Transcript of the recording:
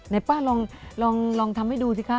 เนี่ยป๊าลองทำให้ดูสิคะ